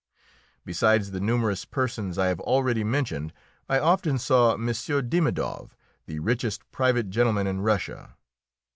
Besides the numerous persons I have already mentioned, I often saw M. Dimidoff, the richest private gentleman in Russia.